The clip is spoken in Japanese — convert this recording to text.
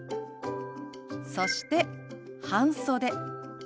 そして「半袖」。